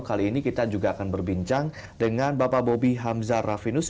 kali ini kita juga akan berbincang dengan bapak bobby hamzah raffinus